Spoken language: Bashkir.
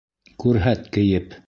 Күрһәт кейеп!